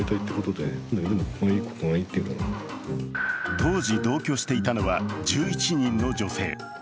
当時同居していたのは１１人の女性。